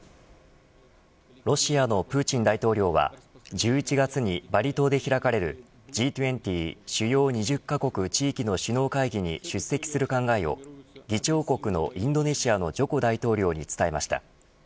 ロシアのプーチン大統領は１１月にバリ島で開かれるＧ２０主要２０カ国地域の首脳会議に出席する考えを議長国のインドネシアのジョコ大統領に伝えました。